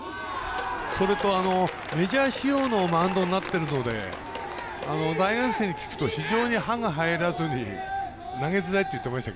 それと、メジャー仕様のマウンドになってるので大学生に聞くと非常に刃が入らず投げづらいっていってました。